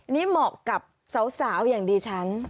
มันต้องกับสาวอย่างดีชั้น